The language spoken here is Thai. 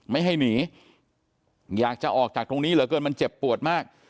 ไม่ให้หนีอยากจะออกจากตรงนี้เหลือเกินมันเจ็บปวดมาก